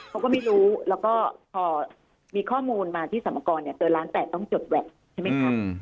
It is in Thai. เขาก็ไม่รู้แล้วก็พอมีข้อมูลมาที่สรรพากรเกินล้าน๘ต้องจดแวคใช่ไหมคะ